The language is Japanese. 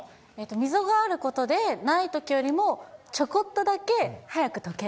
溝があることで、ないときよりもちょこっとだけ早くとける。